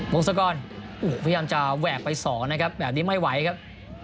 มุ่งใส่ก่อนพยายามจะแวะไปสอนนะครับแบบนี้ไม่ไหวครับ